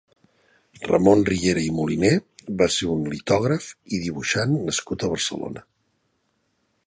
Ramon Riera i Moliner va ser un litògraf i dibuixant nascut a Barcelona.